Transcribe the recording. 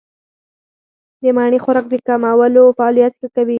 د مڼې خوراک د کولمو فعالیت ښه کوي.